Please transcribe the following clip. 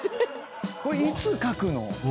これいつ書くの？